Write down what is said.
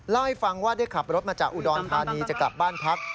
ล่าฟรั้งว่าได้ขับรถมาจากอูดอลทานีจะกลับบ้านพัก